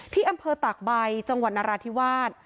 ที่อำเภอตากใบจังหวัดนราธิวาส